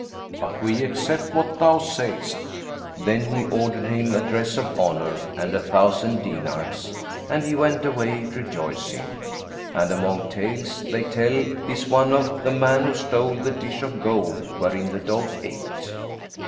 But we accept what thou sayst." Then he ordered him a dress of honour and a thousand dinars, and he went away rejoicing. And among tales they tell is one of THE MAN WHO STOLE THE DISH OF GOLD WHEREIN THE DOG ATE.